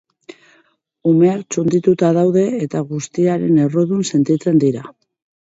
Umeak txundituta daude eta guztiaren errudun sentitzen dira.